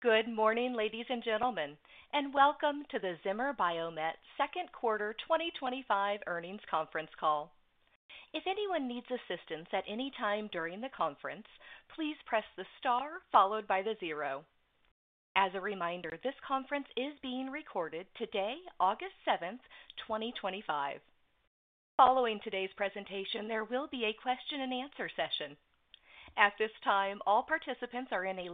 Good morning, ladies and gentlemen, and welcome to the Zimmer Biomet second quarter 2025 earnings conference call. If anyone needs assistance at any time during the conference, please press the star followed by the zero. As a reminder, this conference is being recorded today, August 7, 2025. Following today's presentation, there will be a question and answer session. At this time, all participants are in a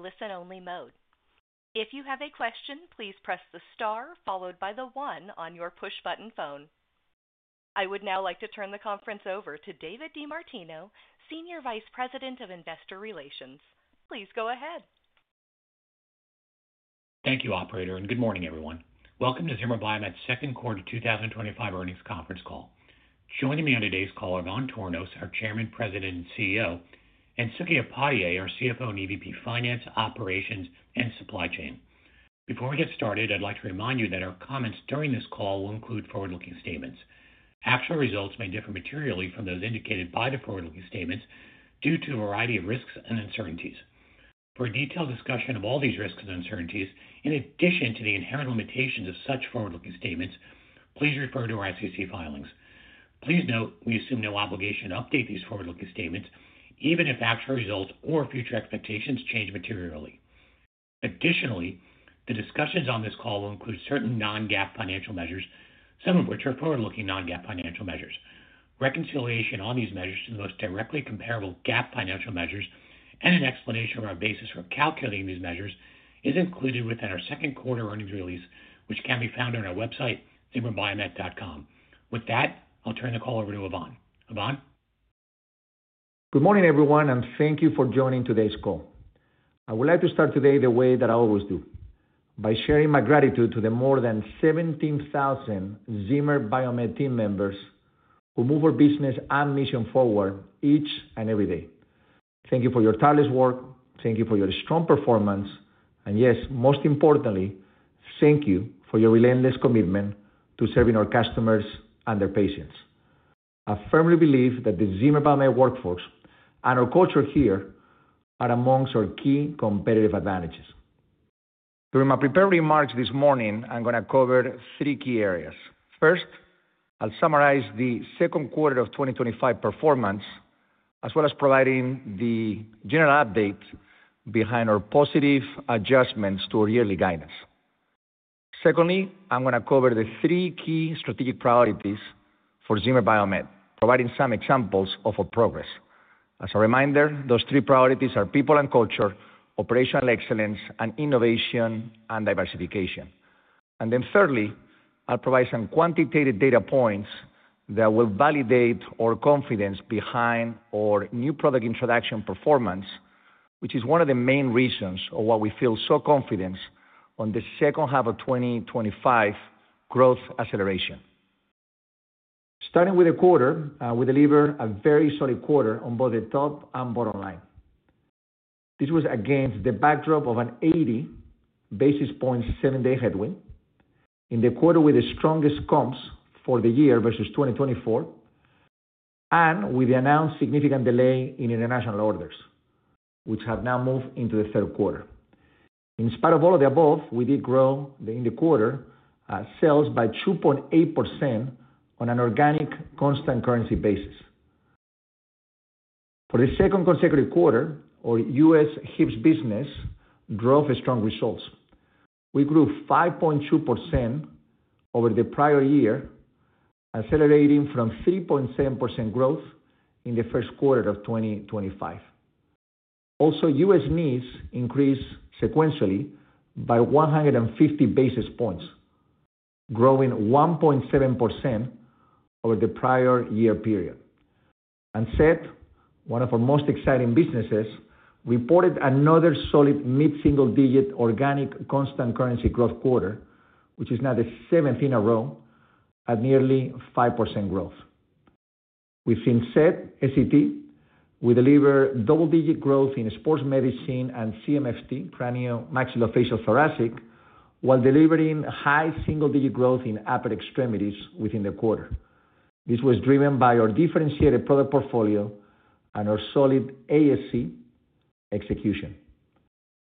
listen-only mode. If you have a question, please press the star followed by the one on your push button phone. I would now like to turn the conference over to David DeMartino, Senior Vice President of Investor Relations. Please go ahead. Thank you, operator, and good morning, everyone. Welcome to Zimmer Biomet's second quarter 2025 earnings conference call. Joining me on today's call are Ivan Tornos, our Chairman, President, and CEO, and Suky Upadhyay, our CFO and EVP Finance, Operations, and Supply Chain. Before we get started, I'd like to remind you that our comments during this call will include forward-looking statements. Actual results may differ materially from those indicated by the forward-looking statements due to a variety of risks and uncertainties. For a detailed discussion of all these risks and uncertainties, in addition to the inherent limitations of such forward-looking statements, please refer to our SEC filings. Please note, we assume no obligation to update these forward-looking statements, even if actual results or future expectations change materially. Additionally, the discussions on this call will include certain non-GAAP financial measures, some of which are forward-looking non-GAAP financial measures. Reconciliation of these measures to the most directly comparable GAAP financial measures and an explanation of our basis for calculating these measures is included within our second quarter earnings release, which can be found on our website, zimmerbiomet.com. With that, I'll turn the call over to Ivan. Ivan? Good morning, everyone, and thank you for joining today's call. I would like to start today the way that I always do, by sharing my gratitude to the more than 17,000 Zimmer Biomet team members who move our business and mission forward each and every day. Thank you for your tireless work. Thank you for your strong performance. Most importantly, thank you for your relentless commitment to serving our customers and their patients. I firmly believe that the Zimmer Biomet workforce and our culture here are amongst our key competitive advantages. During my prepared remarks this morning, I'm going to cover three key areas. First, I'll summarize the second quarter of 2025 performance, as well as providing the general update behind our positive adjustments to our yearly guidance. Secondly, I'm going to cover the three key strategic priorities for Zimmer Biomet, providing some examples of our progress. As a reminder, those three priorities are people and culture, operational excellence, innovation, and diversification. Thirdly, I'll provide some quantitative data points that will validate our confidence behind our new product introduction performance, which is one of the main reasons why we feel so confident on the second half of 2025 growth acceleration. Starting with the quarter, we delivered a very solid quarter on both the top and bottom line. This was against the backdrop of an 80 basis point seven-day headwind in the quarter with the strongest comps for the year versus 2024, and with the announced significant delay in international orders, which have now moved into the third quarter. In spite of all of the above, we did grow in the quarter sales by 2.8% on an organic constant currency basis. For the second consecutive quarter, our U.S. HIPS business drove strong results. We grew 5.2% over the prior year, accelerating from 3.7% growth in the first quarter of 2025. Also, U.S. NIST increased sequentially by 150 basis points, growing 1.7% over the prior year period. SET, one of our most exciting businesses, reported another solid mid-single-digit organic constant currency growth quarter, which is now the 17th in a row, at nearly 5% growth. Within SET, we delivered double-digit growth in sports medicine and CMFT, cranial, maxillofacial, thoracic, while delivering high single-digit growth in upper extremities within the quarter. This was driven by our differentiated product portfolio and our solid ASC execution.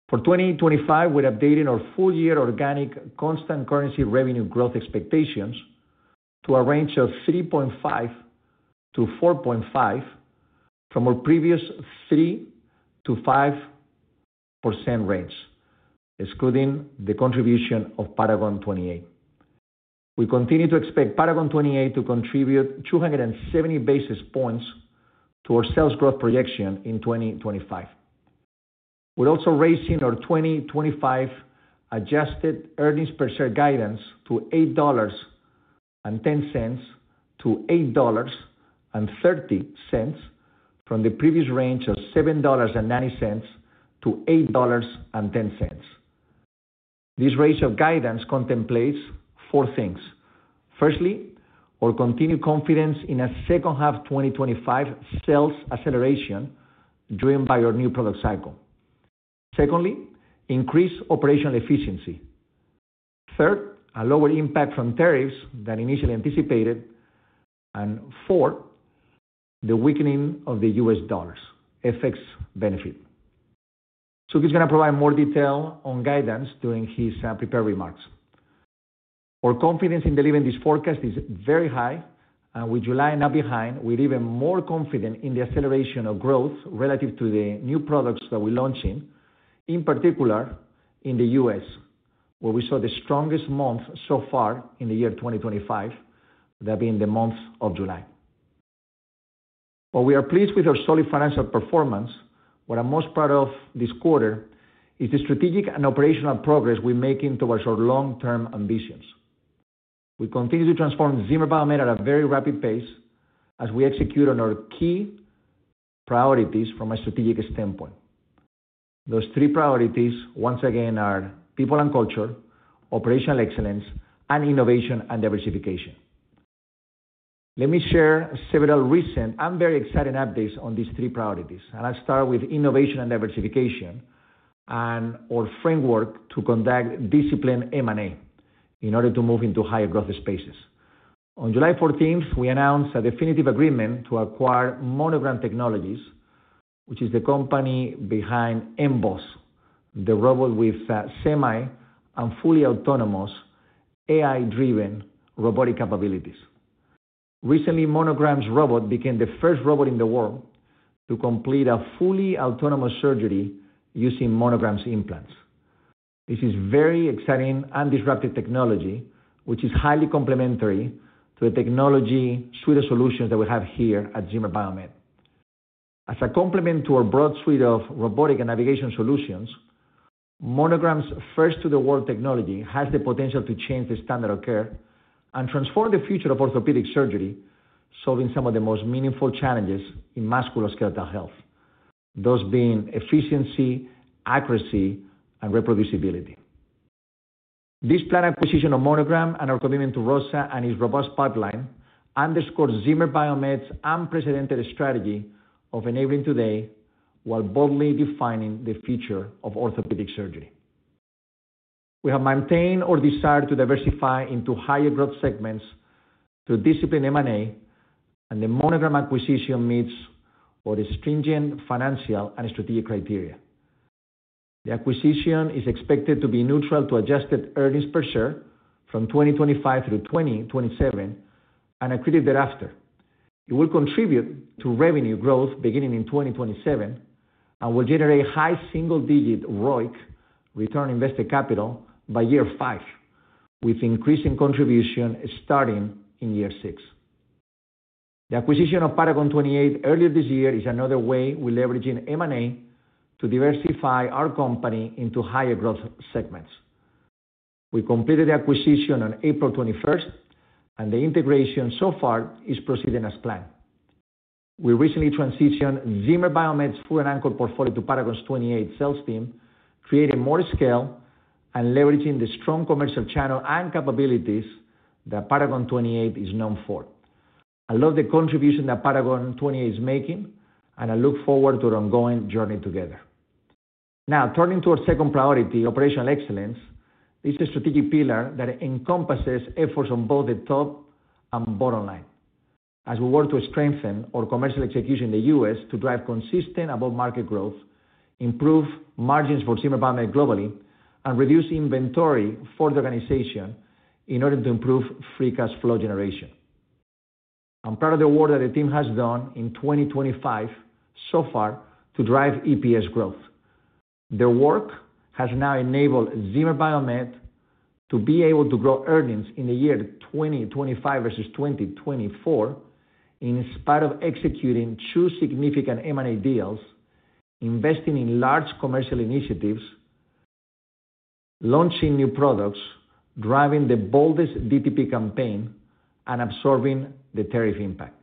For 2025, we're updating our full-year organic constant currency revenue growth expectations to a range of 3.5%-4.5% from our previous 3%-5% range, excluding the contribution of Paragon 28. We continue to expect Paragon 28 to contribute 270 basis points to our sales growth projection in 2025. We're also raising our 2025 adjusted EPS guidance to $8.10-$8.30 from the previous range of $7.90-$8.10. This range of guidance contemplates four things. Firstly, our continued confidence in a second half 2025 sales acceleration driven by our new product cycle. Secondly, increased operational efficiency. Third, a lower impact from tariffs than initially anticipated. Fourth, the weakening of the U.S. dollar's FX benefit. Suky Upadhyay is going to provide more detail on guidance during his prepared remarks. Our confidence in delivering this forecast is very high, and with July not behind, we're even more confident in the acceleration of growth relative to the new products that we're launching, in particular in the U.S., where we saw the strongest month so far in the year 2025, that being the month of July. While we are pleased with our solid financial performance, what I'm most proud of this quarter is the strategic and operational progress we're making towards our long-term ambitions. We continue to transform Zimmer Biomet at a very rapid pace as we execute on our key priorities from a strategic standpoint. Those three priorities, once again, are people and culture, operational excellence, and innovation and diversification. Let me share several recent and very exciting updates on these three priorities. I'll start with innovation and diversification, and our framework to conduct disciplined M&A in order to move into higher growth spaces. On July 14th, we announced a definitive agreement to acquire Monogram Technologies, which is the company behind M-BOSS, the robot with semi and fully autonomous AI-driven robotic capabilities. Recently, Monogram's robot became the first robot in the world to complete a fully autonomous surgery using Monogram's implants. This is very exciting and disruptive technology, which is highly complementary to the technology suite of solutions that we have here at Zimmer Biomet. As a complement to our broad suite of robotic and navigation solutions, Monogram's first-to-the-world technology has the potential to change the standard of care and transform the future of orthopedic surgery, solving some of the most meaningful challenges in musculoskeletal health, those being efficiency, accuracy, and reproducibility. This planned acquisition of Monogram and our commitment to ROSA and its robust pipeline underscore Zimmer Biomet's unprecedented strategy of enabling today while boldly defining the future of orthopedic surgery. We have maintained our desire to diversify into higher growth segments through disciplined M&A, and the Monogram acquisition meets all the stringent financial and strategic criteria. The acquisition is expected to be neutral to adjusted EPS from 2025 through 2027 and accretive thereafter. It will contribute to revenue growth beginning in 2027 and will generate high single-digit ROIC, return on invested capital, by year five, with increasing contribution starting in year six. The acquisition of Paragon 28 earlier this year is another way we're leveraging M&A to diversify our company into higher growth segments. We completed the acquisition on April 21, and the integration so far is proceeding as planned. We recently transitioned Zimmer Biomet's foot and ankle portfolio to Paragon 28's sales team, creating more scale and leveraging the strong commercial channel and capabilities that Paragon 28 is known for. I love the contribution that Paragon 28 is making, and I look forward to our ongoing journey together. Now, turning to our second priority, operational excellence, this is a strategic pillar that encompasses efforts on both the top and bottom line as we work to strengthen our commercial execution in the U.S. to drive consistent above-market growth, improve margins for Zimmer Biomet globally, and reduce inventory for the organization in order to improve free cash flow generation. I'm proud of the work that the team has done in 2025 so far to drive EPS growth. Their work has now enabled Zimmer Biomet to be able to grow earnings in the year 2025 versus 2024 in spite of executing two significant M&A deals, investing in large commercial initiatives, launching new products, driving the boldest DTP campaign, and absorbing the tariff impact.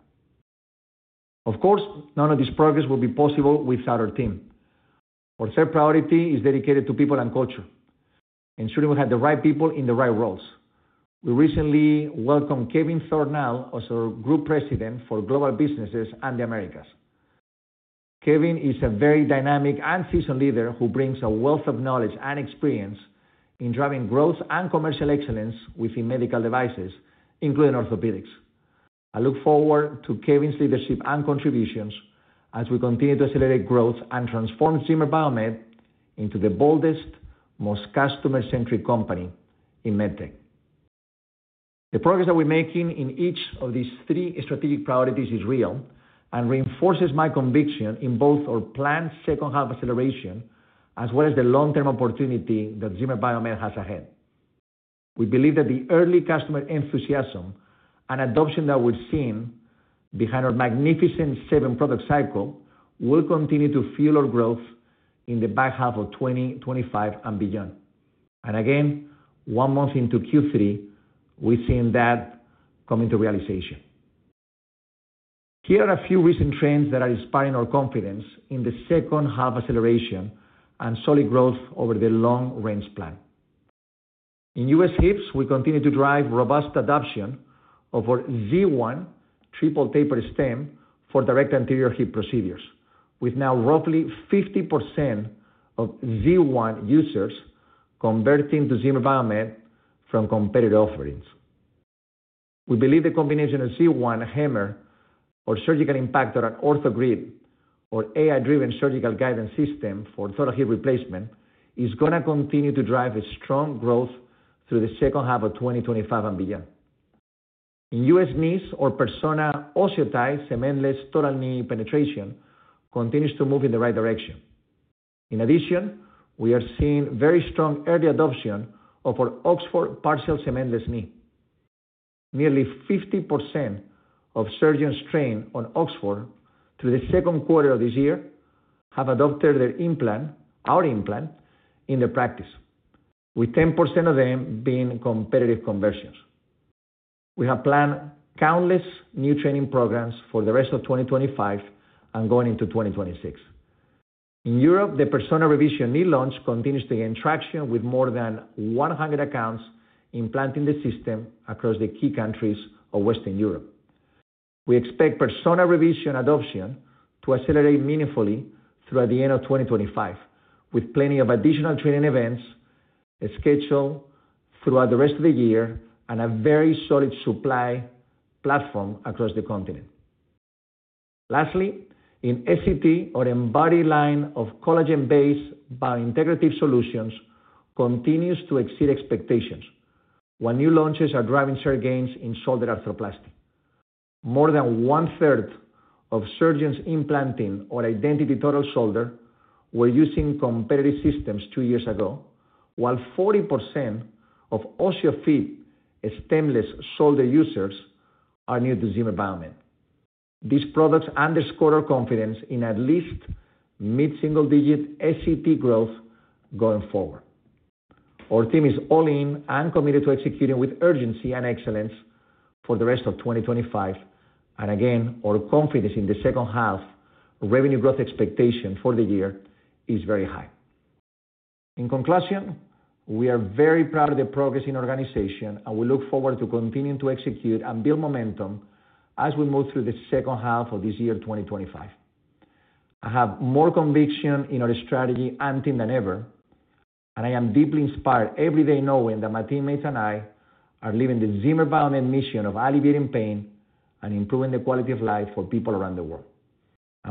Of course, none of this progress will be possible without our team. Our third priority is dedicated to people and culture. Ensuring we have the right people in the right roles. We recently welcomed Kevin Thornell as our Group President for Global Businesses and the Americas. Kevin is a very dynamic and seasoned leader who brings a wealth of knowledge and experience in driving growth and commercial excellence within medical devices, including orthopedics. I look forward to Kevin's leadership and contributions as we continue to accelerate growth and transform Zimmer Biomet into the boldest, most customer-centric company in med tech. The progress that we're making in each of these three strategic priorities is real and reinforces my conviction in both our planned second half acceleration, as well as the long-term opportunity that Zimmer Biomet has ahead. We believe that the early customer enthusiasm and adoption that we've seen behind our Magnificent Seven product cycle will continue to fuel our growth in the back half of 2025 and beyond. One month into Q3, we've seen that coming to realization. Here are a few recent trends that are inspiring our confidence in the second half acceleration and solid growth over the long-range plan. In U.S. hips, we continue to drive robust adoption of our Z1 triple tapered stem for direct anterior hip procedures, with now roughly 50% of Z1 users converting to Zimmer Biomet from competitor offerings. We believe the combination of Z1 HAMR, our surgical impactor, and OrthoGrid, our AI-driven surgical guidance system for total hips replacement, is going to continue to drive strong growth through the second half of 2025 and beyond. In U.S. knees, our Persona OsseoTi, cementless total knee penetration, continues to move in the right direction. In addition, we are seeing very strong early adoption of our Oxford partial cementless knee. Nearly 50% of surgeons trained on Oxford through the second quarter of this year have adopted our implant in the practice, with 10% of them being competitive conversions. We have planned countless new training programs for the rest of 2025 and going into 2026. In Europe, the Persona revision knee launch continues to gain traction with more than 100 accounts implanting the system across the key countries of Western Europe. We expect Persona revision adoption to accelerate meaningfully throughout the end of 2025, with plenty of additional training events scheduled throughout the rest of the year and a very solid supply platform across the continent. Lastly, in SET, our Embodied line of collagen-based biointegrative solutions continues to exceed expectations, while new launches are driving share gains in shoulder arthroplasty. More than one third of surgeons implanting our Identity Total Shoulder were using competitive systems two years ago, while 40% of OsseoTi Stemless Shoulder users are new to Zimmer Biomet. These products underscore our confidence in at least mid-single-digit SET growth going forward. Our team is all in and committed to executing with urgency and excellence for the rest of 2025. Our confidence in the second half revenue growth expectation for the year is very high. In conclusion, we are very proud of the progress in the organization, and we look forward to continuing to execute and build momentum as we move through the second half of this year 2025. I have more conviction in our strategy and team than ever, and I am deeply inspired every day knowing that my teammates and I are living the Zimmer Biomet mission of alleviating pain and improving the quality of life for people around the world. I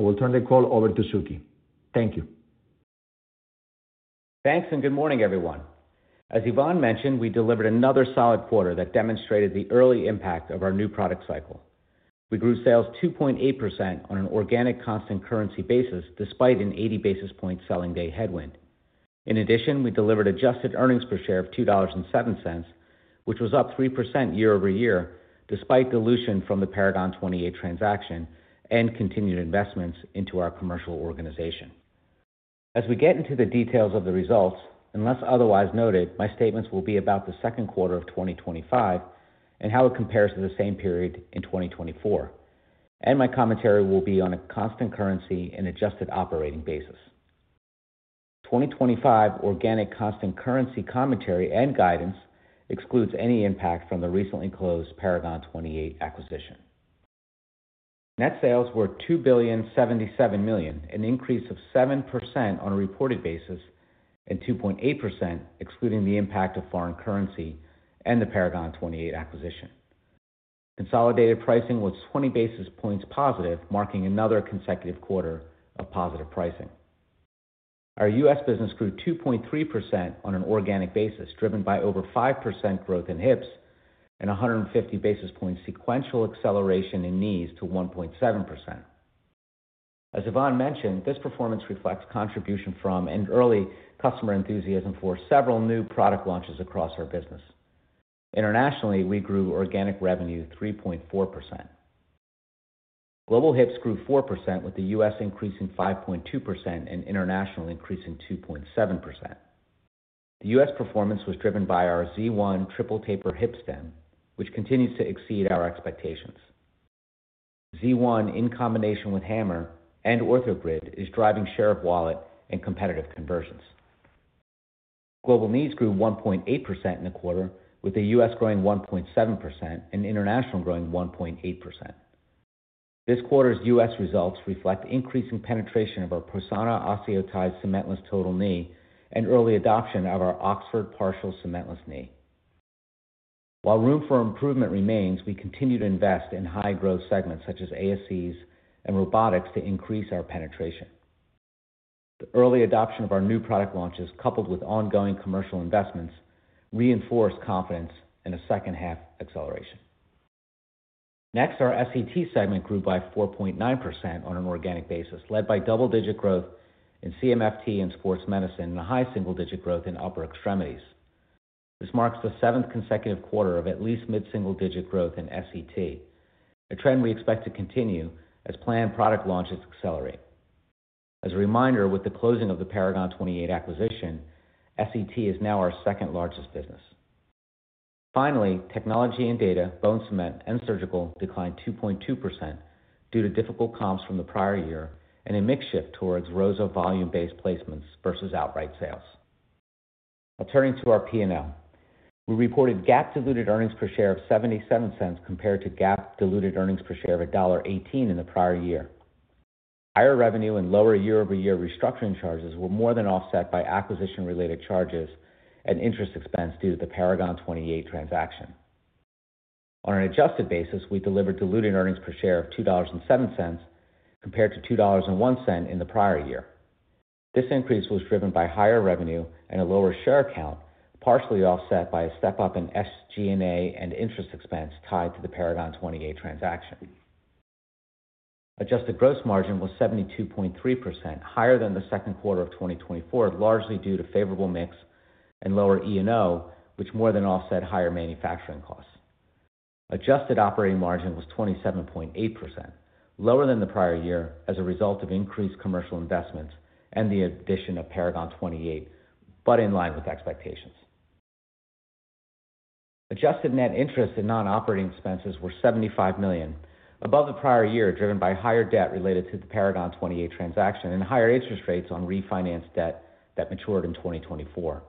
will turn the call over to Suky. Thank you. Thanks and good morning, everyone. As Ivan mentioned, we delivered another solid quarter that demonstrated the early impact of our new product cycle. We grew sales 2.8% on an organic constant currency basis, despite an 80 basis point selling day headwind. In addition, we delivered adjusted EPS of $2.07, which was up 3% year-over-year, despite dilution from the Paragon 28 transaction and continued investments into our commercial organization. As we get into the details of the results, unless otherwise noted, my statements will be about the second quarter of 2025 and how it compares to the same period in 2024. My commentary will be on a constant currency and adjusted operating basis. 2025 organic constant currency commentary and guidance excludes any impact from the recently closed Paragon 28 acquisition. Net sales were $2.77 billion, an increase of 7% on a reported basis and 2.8% excluding the impact of foreign currency and the Paragon 28 acquisition. Consolidated pricing was 20 basis points positive, marking another consecutive quarter of positive pricing. Our U.S. business grew 2.3% on an organic basis, driven by over 5% growth in hips and 150 basis points sequential acceleration in knees to 1.7%. As Ivan mentioned, this performance reflects contribution from early customer enthusiasm for several new product launches across our business. Internationally, we grew organic revenue 3.4%. Global hips grew 4%, with the U.S. increasing 5.2% and international increasing 2.7%. The U.S. performance was driven by our Z1 triple taper hip stem, which continues to exceed our expectations. Z1, in combination with HAMR and OrthoGrid, is driving share of wallet and competitive conversions. Global knees grew 1.8% in the quarter, with the U.S. growing 1.7% and international growing 1.8%. This quarter's U.S. results reflect increasing penetration of our Persona OsseoTI cementless total knee and early adoption of our Oxford partial cementless knee. While room for improvement remains, we continue to invest in high growth segments such as ASCs and robotics to increase our penetration. The early adoption of our new product launches, coupled with ongoing commercial investments, reinforced confidence in a second half acceleration. Next, our SET segment grew by 4.9% on an organic basis, led by double-digit growth in CMFT and sports medicine and a high single-digit growth in upper extremities. This marks the seventh consecutive quarter of at least mid-single-digit growth in SET, a trend we expect to continue as planned product launches accelerate. As a reminder, with the closing of the Paragon 28 acquisition, SET is now our second largest business. Finally, technology and data, bone cement and surgical declined 2.2% due to difficult comps from the prior year and a mix shift towards ROSA volume-based placements versus outright sales. Now turning to our P&L, we reported GAAP diluted earnings per share of $0.77 compared to GAAP diluted earnings per share of $1.18 in the prior year. Higher revenue and lower year-over-year restructuring charges were more than offset by acquisition-related charges and interest expense due to the Paragon 28 transaction. On an adjusted basis, we delivered diluted earnings per share of $2.07 compared to $2.01 in the prior year. This increase was driven by higher revenue and a lower share count, partially offset by a step up in SG&A and interest expense tied to the Paragon 28 transaction. Adjusted gross margin was 72.3%, higher than the second quarter of 2024, largely due to favorable mix and lower E&O, which more than offset higher manufacturing costs. Adjusted operating margin was 27.8%, lower than the prior year as a result of increased commercial investments and the addition of Paragon 28, but in line with expectations. Adjusted net interest and non-operating expenses were $75 million, above the prior year, driven by higher debt related to the Paragon 28 transaction and higher interest rates on refinanced debt that matured in 2024.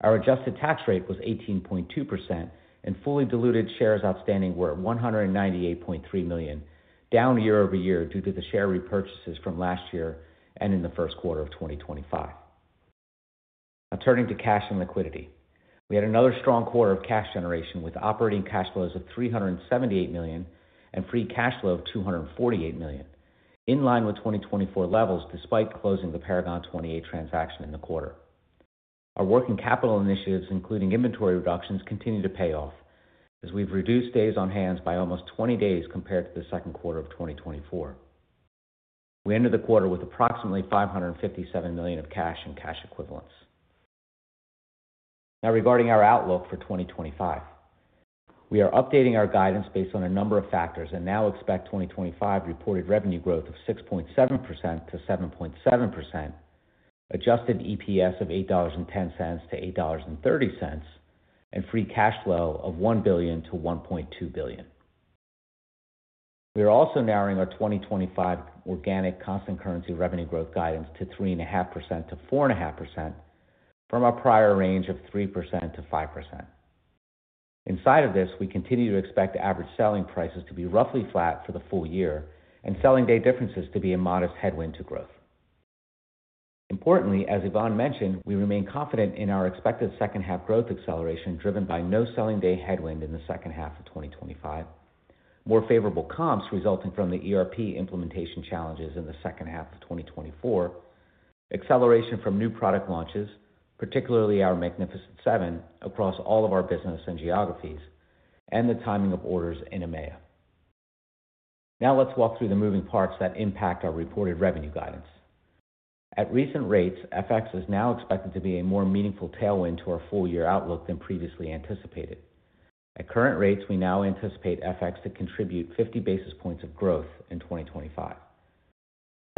Our adjusted tax rate was 18.2%, and fully diluted shares outstanding were 198.3 million, down year over year due to the share repurchases from last year and in the first quarter of 2025. Now turning to cash and liquidity, we had another strong quarter of cash generation with operating cash flows of $378 million and free cash flow of $248 million, in line with 2024 levels despite closing the Paragon 28 transaction in the quarter. Our working capital initiatives, including inventory reductions, continue to pay off, as we've reduced days on hand by almost 20 days compared to the second quarter of 2024. We ended the quarter with approximately $557 million of cash and cash equivalents. Now regarding our outlook for 2025, we are updating our guidance based on a number of factors and now expect 2025 reported revenue growth of 6.7%-7.7%, adjusted EPS of $8.10-$8.30, and free cash flow of $1 billion-$1.2 billion. We are also narrowing our 2025 organic constant currency revenue growth guidance to 3.5%-4.5% from our prior range of 3%-5%. In spite of this, we continue to expect average selling prices to be roughly flat for the full year and selling day differences to be a modest headwind to growth. Importantly, as Ivan mentioned, we remain confident in our expected second half growth acceleration driven by no selling day headwind in the second half of 2025, more favorable comps resulting from the ERP implementation challenges in the second half of 2024, acceleration from new product launches, particularly our Magnificent Seven across all of our business and geographies, and the timing of orders in EMEA. Now let's walk through the moving parts that impact our reported revenue guidance. At recent rates, FX is now expected to be a more meaningful tailwind to our full-year outlook than previously anticipated. At current rates, we now anticipate FX to contribute 50 basis points of growth in 2025.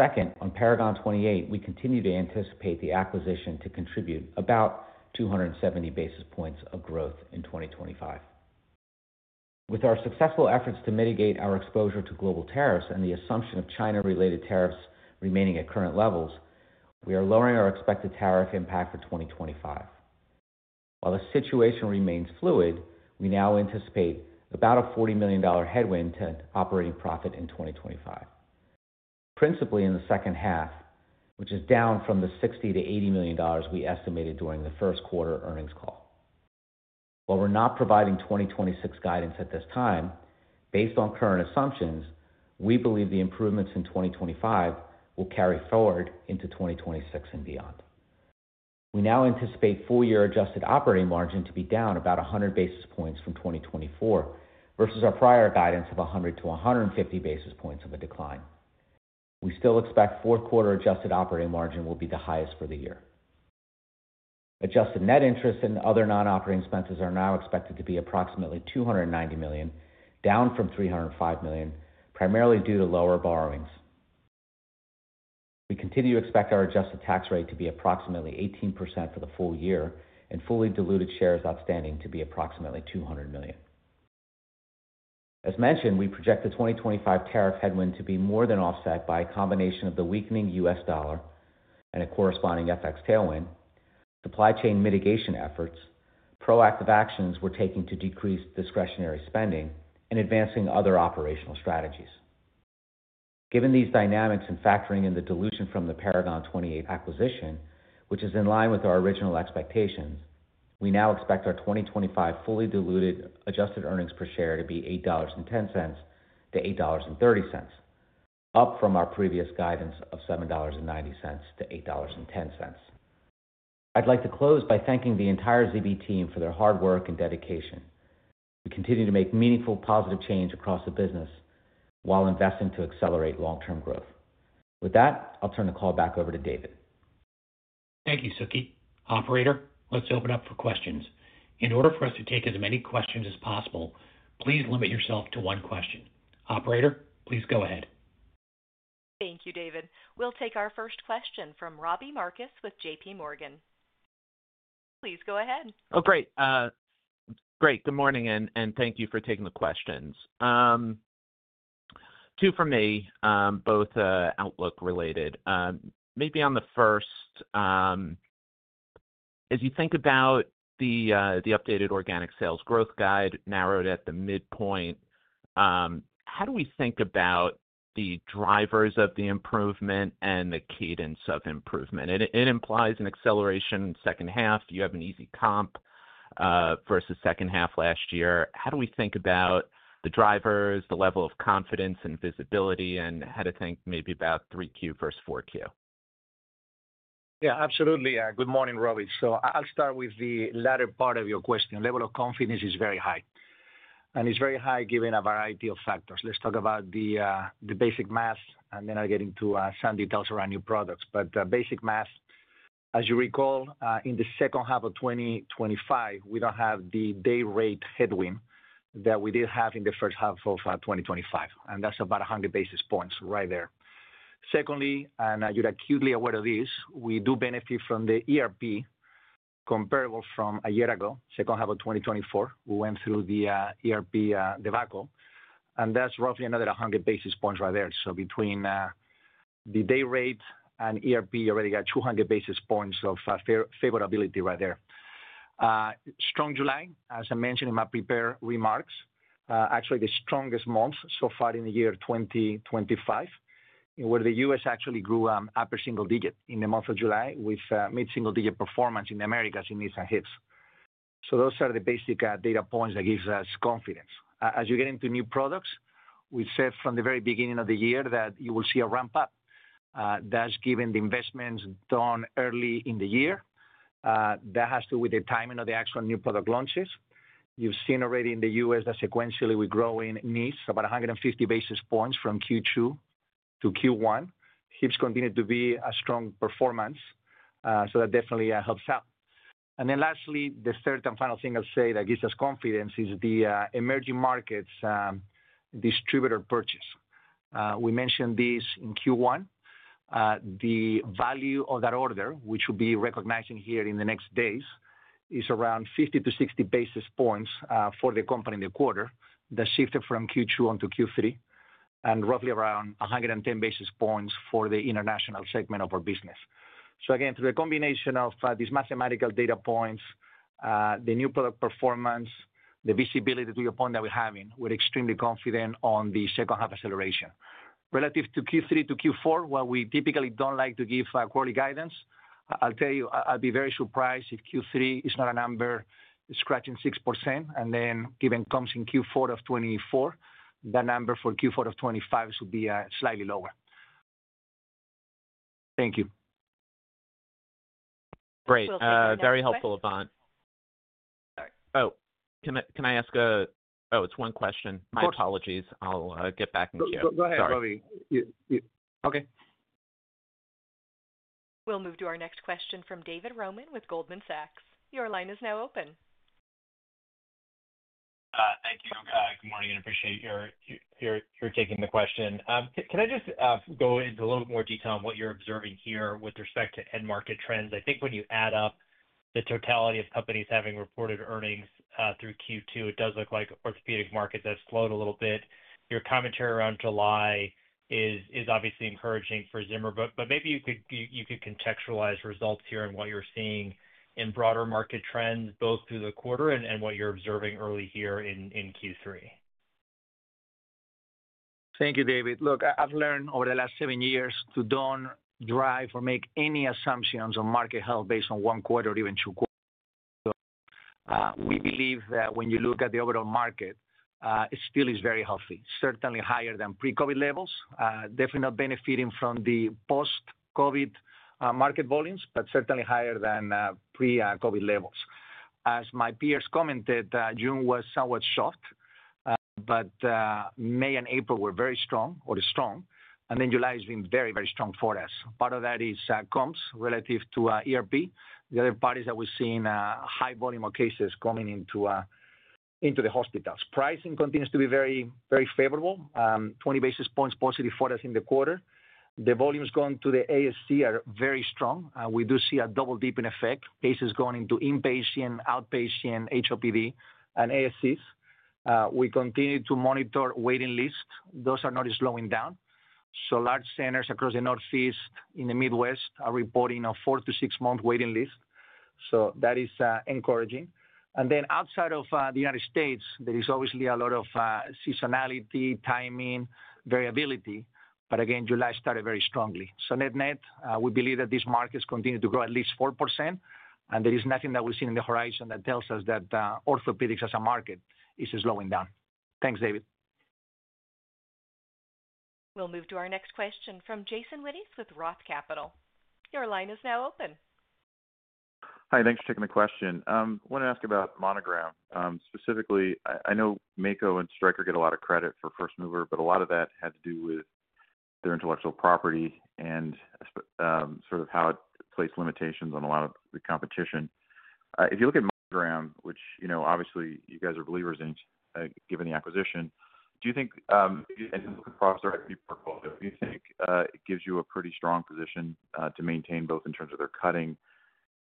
Second, on Paragon 28, we continue to anticipate the acquisition to contribute about 270 basis points of growth in 2025. With our successful efforts to mitigate our exposure to global tariffs and the assumption of China-related tariffs remaining at current levels, we are lowering our expected tariff impact for 2025. While the situation remains fluid, we now anticipate about a $40 million headwind to operating profit in 2025, principally in the second half, which is down from the $60 million to $80 million we estimated during the first quarter earnings call. While we're not providing 2026 guidance at this time, based on current assumptions, we believe the improvements in 2025 will carry forward into 2026 and beyond. We now anticipate full-year adjusted operating margin to be down about 100 basis points from 2024 versus our prior guidance of 100-150 basis points of a decline. We still expect fourth quarter adjusted operating margin will be the highest for the year. Adjusted net interest and other non-operating expenses are now expected to be approximately $290 million, down from $305 million, primarily due to lower borrowings. We continue to expect our adjusted tax rate to be approximately 18% for the full year and fully diluted shares outstanding to be approximately $200 million. As mentioned, we project the 2025 tariff headwind to be more than offset by a combination of the weakening U.S dollar and a corresponding FX tailwind, supply chain mitigation efforts, proactive actions we're taking to decrease discretionary spending, and advancing other operational strategies. Given these dynamics and factoring in the dilution from the Paragon 28 acquisition, which is in line with our original expectations, we now expect our 2025 fully diluted adjusted EPS to be $8.10-$8.30, up from our previous guidance of $7.90-$8.10. I'd like to close by thanking the entire ZB team for their hard work and dedication to continue to make meaningful positive change across the business while investing to accelerate long-term growth. With that, I'll turn the call back over to David. Thank you, Suky. Operator, let's open up for questions. In order for us to take as many questions as possible, please limit yourself to one question. Operator, please go ahead. Thank you, David. We'll take our first question from Robbie Marcus with J.P. Morgan. Please go ahead. Great. Good morning, and thank you for taking the questions. Two from me, both outlook related. Maybe on the first, as you think about the updated organic sales growth guide narrowed at the midpoint, how do we think about the drivers of the improvement and the cadence of improvement? It implies an acceleration in the second half. You have an easy comp versus the second half last year. How do we think about the drivers, the level of confidence and visibility, and how to think maybe about 3Q versus 4Q? Yeah, absolutely. Good morning, Robbie. I'll start with the latter part of your question. The level of confidence is very high, and it's very high given a variety of factors. Let's talk about the basic math, and then I'll get into some details around new products. Basic math, as you recall, in the second half of 2025, we don't have the day rate headwind that we did have in the first half of 2025. That's about 100 basis points right there. Secondly, and you're acutely aware of this, we do benefit from the ERP comparable from a year ago, second half of 2024. We went through the ERP debacle, and that's roughly another 100 basis points right there. Between the day rate and ERP, you already got 200 basis points of favorability right there. Strong July, as I mentioned in my prepared remarks, actually the strongest month so far in the year 2025, where the U.S. actually grew upper single digit in the month of July with mid-single digit performance in the Americas, in knees and hips. Those are the basic data points that give us confidence. As you get into new products, we said from the very beginning of the year that you will see a ramp-up. That's given the investments done early in the year. That has to do with the timing of the actual new product launches. You've seen already in the U.S. that sequentially we're growing knees, about 150 basis points from Q2 to Q1. Hips continue to be a strong performance, so that definitely helps out. Lastly, the third and final thing I'll say that gives us confidence is the emerging markets distributor purchase. We mentioned this in Q1. The value of that order, which will be recognized here in the next days, is around 50 to 60 basis points for the company in the quarter that shifted from Q2 onto Q3, and roughly around 110 basis points for the international segment of our business. Again, through a combination of these mathematical data points, the new product performance, the visibility to your point that we're having, we're extremely confident on the second half acceleration. Relative to Q3 to Q4, while we typically don't like to give quarterly guidance, I'll tell you, I'll be very surprised if Q3 is not a number scratching 6%, and then given comps in Q4 of 2024, that number for Q4 of 2025 should be slightly lower. Thank you. Great. Very helpful, Ivan. Can I ask one question? My apologies. I'll get back in here. Go ahead, Robbie. Okay. We'll move to our next question from David Roman with Goldman Sachs. Your line is now open. Thank you. Good morning. I appreciate your taking the question. Can I just go into a little bit more detail on what you're observing here with respect to end market trends? I think when you add up the totality of companies having reported earnings through Q2, it does look like the orthopedic market has slowed a little bit. Your commentary around July is obviously encouraging for Zimmer Biomet, but maybe you could contextualize results here and what you're seeing in broader market trends, both through the quarter and what you're observing early here in Q3. Thank you, David. Look, I've learned over the last seven years to not drive or make any assumptions on market health based on one quarter or even two quarters. We believe that when you look at the overall market, it still is very healthy, certainly higher than pre-COVID levels, definitely not benefiting from the post-COVID market volumes, but certainly higher than pre-COVID levels. As my peers commented, June was somewhat soft, but May and April were very strong or strong, and July has been very, very strong for us. Part of that is comps relative to ERP. The other part is that we're seeing a high volume of cases coming into the hospitals. Pricing continues to be very, very favorable, 20 basis points positive for us in the quarter. The volumes going to the ASC are very strong. We do see a double dip in effect, cases going into inpatient, outpatient, HOPD, and ASCs. We continue to monitor waiting lists. Those are not slowing down. Large centers across the Northeast, in the Midwest, are reporting a four to six-month waiting list. That is encouraging. Outside of the United States, there is obviously a lot of seasonality, timing, variability. July started very strongly. Net-net, we believe that these markets continue to grow at least 4%, and there is nothing that we're seeing in the horizon that tells us that orthopedics as a market is slowing down. Thanks, David. will move to our next question from Jason Wittes with Roth Capital. Your line is now open. Hi, thanks for taking the question. I want to ask about Monogram. Specifically, I know Mako and Stryker get a lot of credit for First Mover, but a lot of that had to do with their intellectual property and sort of how it placed limitations on a lot of the competition. If you look at Monogram, which obviously you guys are believers in given the acquisition, do you think, and you look across their equity portfolio, do you think it gives you a pretty strong position to maintain both in terms of their cutting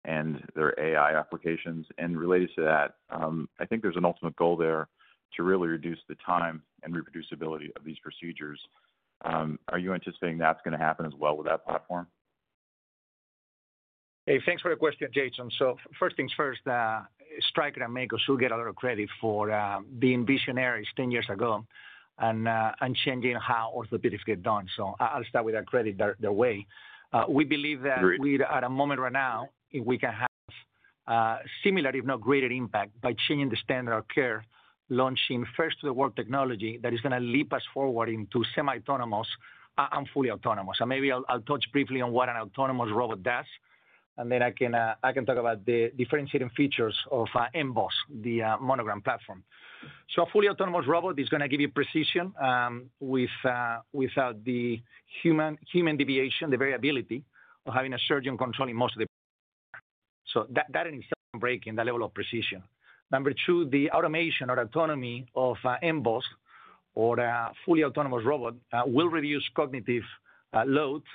and their AI applications? Related to that, I think there's an ultimate goal there to really reduce the time and reproducibility of these procedures. Are you anticipating that's going to happen as well with that platform? Hey, thanks for the question, Jason. First things first, Stryker and Mako still get a lot of credit for being visionaries 10 years ago and changing how orthopedics get done. I will start with that credit their way. We believe that we're at a moment right now where we can have a similar, if not greater, impact by changing the standard of care, launching first-to-the-world technology that is going to leap us forward into semi-autonomous and fully autonomous. Maybe I'll touch briefly on what an autonomous robot does, and then I can talk about the differentiating features of M-BOSS, the Monogram platform. A fully autonomous robot is going to give you precision without the human deviation, the variability of having a surgeon controlling most of the.... So that in itself is breaking that level of precision. Number two, the automation or autonomy of M-BOSS or a fully autonomous robot will reduce cognitive loads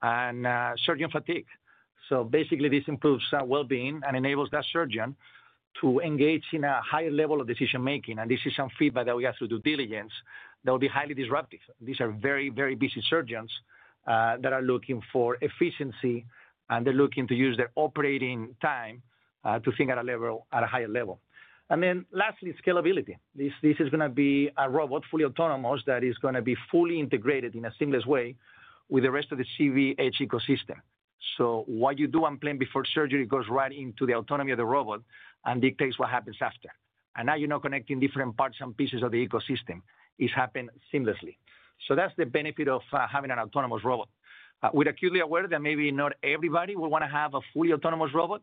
and surgeon fatigue. Basically, this improves well-being and enables that surgeon to engage in a higher level of decision-making and decision feedback that we have through due diligence that will be highly disruptive. These are very, very busy surgeons that are looking for efficiency, and they're looking to use their operating time to think at a level, at a higher level. I mean lastly, scalability. This is going to be a robot fully autonomous that is going to be fully integrated in a seamless way with the rest of the CVH ecosystem. What you do on plan before surgery goes right into the autonomy of the robot and dictates what happens after. Now you're not connecting different parts and pieces of the ecosystem. It's happening seamlessly. That's the benefit of having an autonomous robot. We're acutely aware that maybe not everybody will want to have a fully autonomous robot.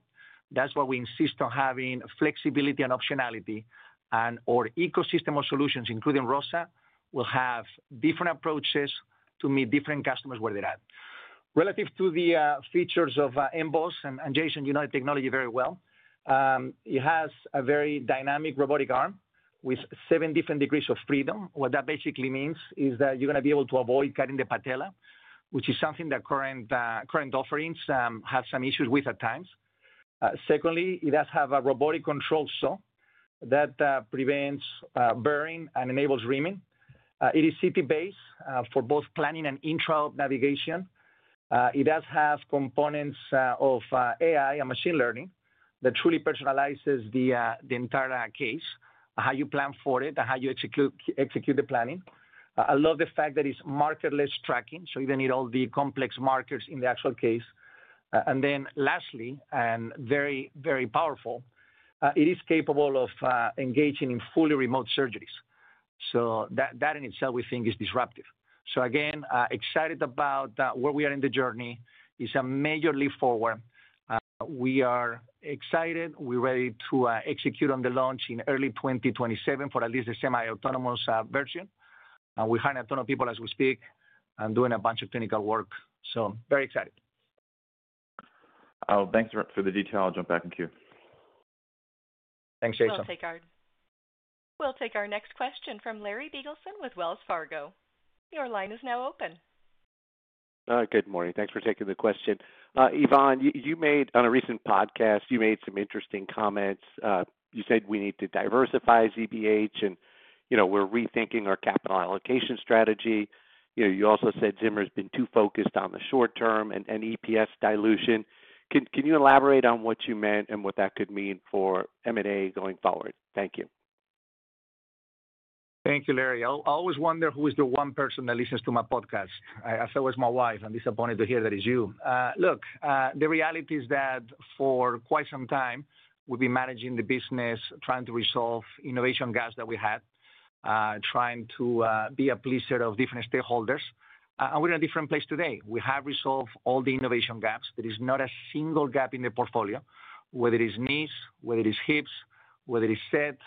That's why we insist on having flexibility and optionality, and our ecosystem of solutions, including ROSA, will have different approaches to meet different customers where they're at. Relative to the features of M-BOSS, and Jason, you know the technology very well. It has a very dynamic robotic arm with seven different degrees of freedom. What that basically means is that you're going to be able to avoid cutting the patella, which is something that current offerings have some issues with at times. Secondly, it does have a robotic control saw that prevents bearing and enables reaming. It is CT-based for both planning and intra-op navigation. It does have components of AI and machine learning that truly personalize the entire case, how you plan for it, and how you execute the planning. I love the fact that it's markerless tracking, so you don't need all the complex markers in the actual case. Lastly, and very, very powerful, it is capable of engaging in fully remote surgeries. That in itself, we think is disruptive. Again, excited about where we are in the journey. It's a major leap forward. We are excited. We're ready to execute on the launch in early 2027 for at least the semi-autonomous version. We're hiring a ton of people as we speak and doing a bunch of clinical work. Very excited. Oh, thanks for the detail. I'll jump back in queue. Thanks, Jason. We'll take on the next question from Larry Biegelsen with Wells Fargo. Your line is now open. Good morning. Thanks for taking the question. Ivan, you made on a recent podcast, you made some interesting comments. You said we need to diversify Zimmer Biomet and you know we're rethinking our capital allocation strategy. You know, you also said Zimmer Biomet has been too focused on the short term and EPS dilution. Can you elaborate on what you meant and what that could mean for M&A going forward? Thank you. Thank you, Larry. I always wonder who is the one person that listens to my podcast. I say it was my wife. I'm disappointed to hear that it's you. The reality is that for quite some time, we've been managing the business, trying to resolve innovation gaps that we had, trying to be a pleasure of different stakeholders. We're in a different place today. We have resolved all the innovation gaps. There is not a single gap in the portfolio, whether it is knees, whether it is hips, whether it is SET.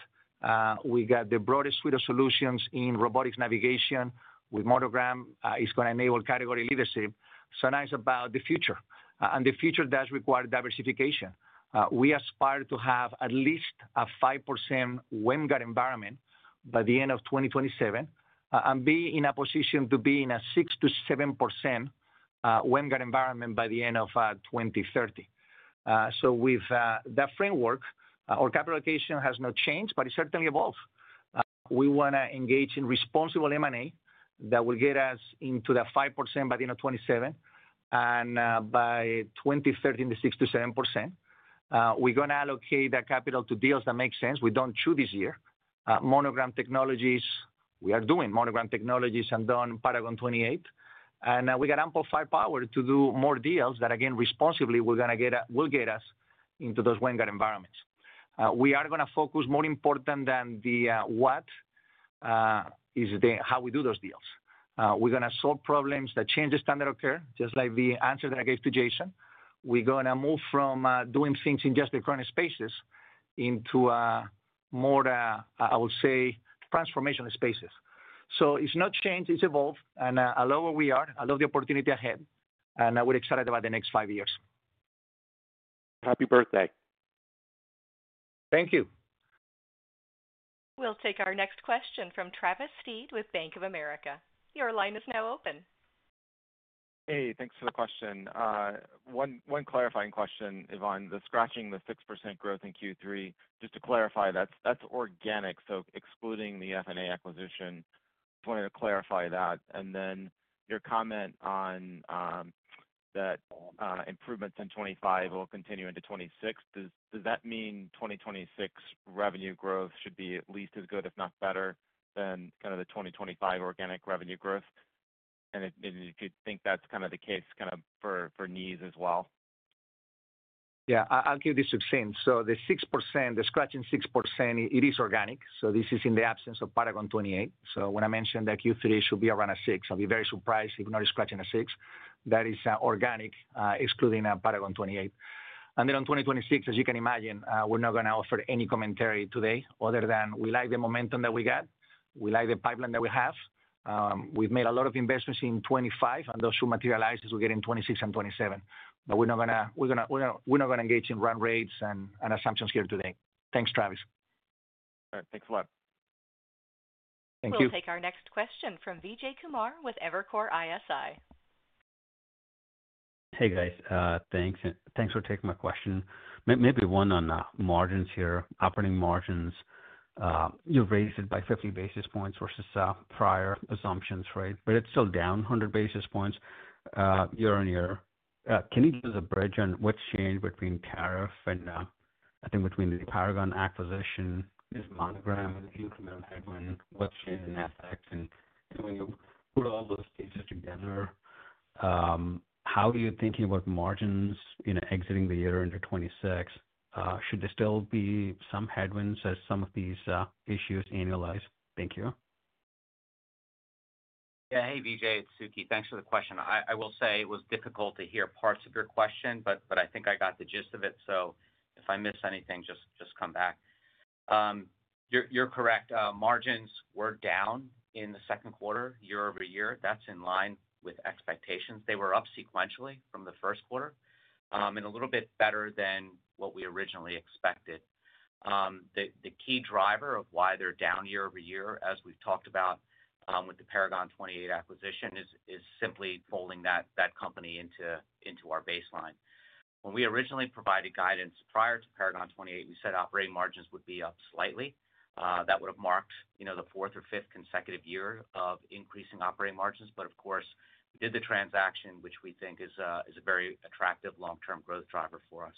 We got the broadest suite of solutions in robotics navigation with Monogram. It's going to enable category leadership. So nice about the future. The future does require diversification. We aspire to have at least a 5% WEMGUT environment by the end of 2027 and be in a position to be in a 6%-7% WEMGUT environment by the end of 2030. With that framework, our capital allocation has not changed, but it certainly evolved. We want to engage in responsible M&A that will get us into the 5% by the end of 2027 and by 2030 in the 6%-7%. We're going to allocate that capital to deals that make sense. We don't chew this year. Monogram Technologies, we are doing Monogram Technologies and done Paragon 28. We got amplified power to do more deals that, again, responsibly, we're going to get we'll get us into those WEMGUT environments. We are going to focus more important than the what is how we do those deals. We're going to solve problems that change the standard of care, just like the answer that I gave to Jason. We're going to move from doing things in just the current spaces into more, I will say, transformational spaces. It's not changed. It's evolved. I love where we are. I love the opportunity ahead. We're excited about the next five years. Happy birthday. Thank you. We'll take our next question from Travis Stead with Bank of America. Your line is now open. Hey, thanks for the question. One clarifying question, Ivan, the scratching the 6% growth in Q3, just to clarify, that's organic. Excluding the F&A acquisition, I just wanted to clarify that. Your comment on that improvements in 2025 will continue into 2026, does that mean 2026 revenue growth should be at least as good, if not better, than kind of the 2025 organic revenue growth, and if you think that's kind of the case kind of for knees as well. Yeah, I'll give this a sense. The 6%, the scratching 6%, it is organic. This is in the absence of Paragon 28. When I mentioned that Q3 should be around a 6, I'll be very surprised if not a scratching a 6. That is organic, excluding Paragon 28. On 2026, as you can imagine, we're not going to offer any commentary today other than we like the momentum that we got. We like the pipeline that we have. We've made a lot of investments in 2025, and those should materialize as we get in 2026 and 2027. We're not going to engage in run rates and assumptions here today. Thanks, Travis. All right, thanks a lot. Thank you. We'll take our next question from Vijay Kumar with Evercore ISI. Thanks for taking my question. Maybe one on margins here, operating margins. You raised it by 50 basis points versus prior assumptions, right? It's still down 100 basis points year on year. Can you give us a bridge on what's changed between tariff and I think between the Paragon 28 acquisition, this Monogram incremental headwind, what's changed in FX? When you put all those pieces together, how are you thinking about margins exiting the year into 2026? Should there still be some headwinds as some of these issues annualize? Thank you. Yeah, hey Vijay, it's Suky. Thanks for the question. I will say it was difficult to hear parts of your question, but I think I got the gist of it. If I missed anything, just come back. You're correct. Margins were down in the second quarter, year over year. That's in line with expectations. They were up sequentially from the first quarter and a little bit better than what we originally expected. The key driver of why they're down year over year, as we've talked about with the Paragon 28 acquisition, is simply folding that company into our baseline. When we originally provided guidance prior to Paragon 28, we said operating margins would be up slightly. That would have marked the fourth or fifth consecutive year of increasing operating margins. Of course, we did the transaction, which we think is a very attractive long-term growth driver for us.